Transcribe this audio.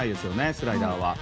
スライダーは。